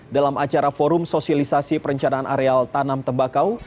dalam acara forum sosialisasi perencanaan areal tanam tembakau